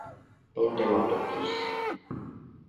Ниндәй матур кис!